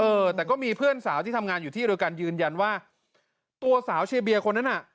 เออแต่ก็มีเพื่อนสาวที่ทำงานอยู่ที่เดียวกันยืนยันว่าตัวสาวเชียร์เบียร์คนนั้นน่ะ